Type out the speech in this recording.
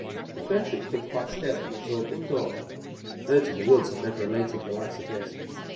The Fir Tree stood quite still and absorbed in thought; the birds in the wood had never related the like of this.